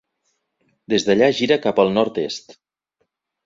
Des d'allà gira cap al nord-est.